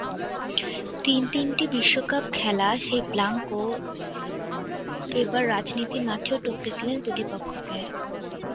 তিন-তিনটি বিশ্বকাপ খেলা সেই ব্লাঙ্কো এবার রাজনীতির মাঠেও টপকে গেলেন প্রতিপক্ষকে।